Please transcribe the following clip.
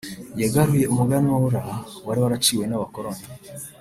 yagaruye umuganura wari waraciwe n’abakoloni